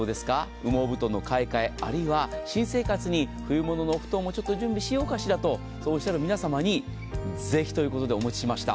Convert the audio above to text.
羽毛布団の買い替え、あるいは新生活に冬物のお布団も準備しようかしら、そうおっしゃる皆様に、ぜひということでお持ちしました。